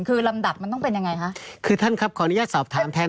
คือลำดับมันต้องเป็นยังไงคะคือท่านครับขออนุญาตสอบถามแทน